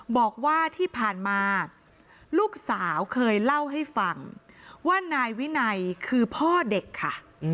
บอกว่าที่ผ่านมาลูกสาวเคยเล่าให้ฟังว่านายวินัยคือพ่อเด็กค่ะ